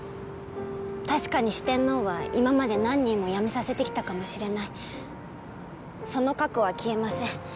確かに四天王は今まで何人も辞めさせてきたかもしれないその過去は消えません